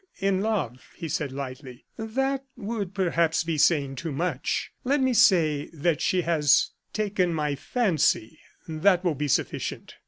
in love," said he, lightly, "that would perhaps be saying too much. Let me say that she has taken my fancy; that will be sufficient."